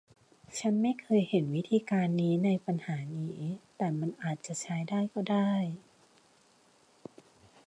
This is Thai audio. ฉันไม่เคยเห็นวิธีการนี้ในปัญหานี้ แต่มันอาจจะใช้ได้ก็ได้